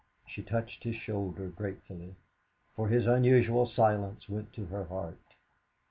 She touched his shoulder gratefully, for his unusual silence went to her heart.